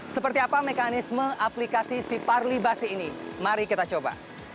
seperti apa mekanisme aplikasi si parlibasi ini mari kita coba